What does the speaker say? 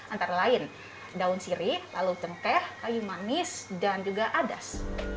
antara lain daun siri lalu cengkeh kayu manis dan juga adas